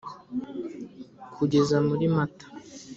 kugeza muri mata .